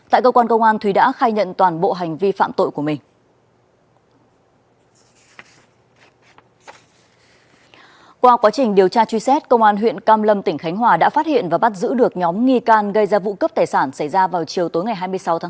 tại cơ quan công an thúy đã khai nhận toàn bộ hành vi phạm tội của mình